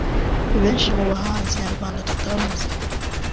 Benshi mu bahanzi nyarwanda tutavuze